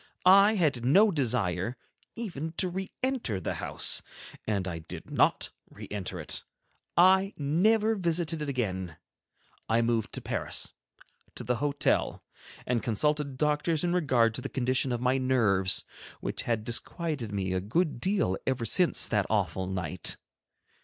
I had no desire even to re enter the house, and I did not re enter it; I never visited it again. I moved to Paris, to the hotel, and consulted doctors in regard to the condition of my nerves, which had disquieted me a good deal ever since that awful night.